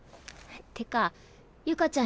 ってかユカちゃん